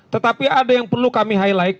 tetapi ada yang perlu kami highlight